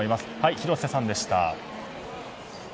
広瀬さんでした。